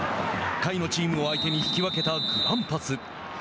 下位のチームを相手に引き分けたグランパス。